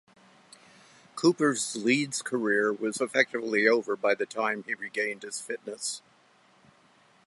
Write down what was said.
Cooper's Leeds career was effectively over by the time he regained his fitness.